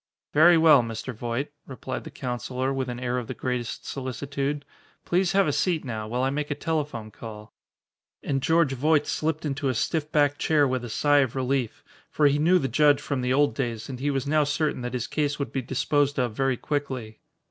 "Very well, Mr. Voight," replied the counsellor with an air of the greatest solicitude, "please have a seat now, while I make a telephone call." And George Voight slipped into a stiff backed chair with a sigh of relief. For he knew the judge from the old days and he was now certain that his case would be disposed of very quickly.